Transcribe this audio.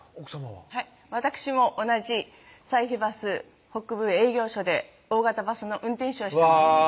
はいわたくしも同じ西肥バス北部営業所で大型バスの運転手をしてますうわ